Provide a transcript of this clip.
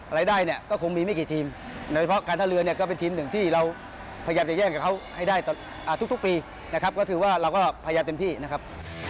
รายได้เนี่ยก็คงมีไม่กี่ทีมโดยเฉพาะการท่าเรือเนี่ยก็เป็นทีมหนึ่งที่เราพยายามจะแย่งกับเขาให้ได้ทุกปีนะครับก็ถือว่าเราก็พยายามเต็มที่นะครับ